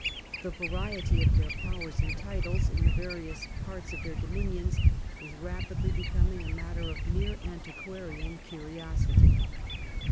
The variety of their powers and titles in the various parts of their dominions was rapidly becoming a matter of mere antiquarian curiosity.